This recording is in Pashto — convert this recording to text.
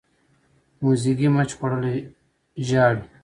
موزیګی مچ خوړلی ژاړي.